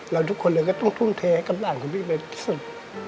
เราทุกคนเลยก็ต้องทุนเทกับหลานคนนี้เลยที่สุด